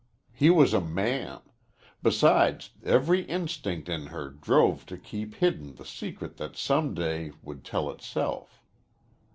He was a man. Besides, every instinct in her drove to keep hidden the secret that some day would tell itself.